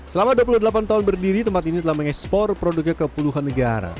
selama dua puluh delapan tahun berdiri tempat ini telah mengekspor produknya ke puluhan negara